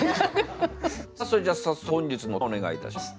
さあそれでは早速本日のテーマお願いいたします。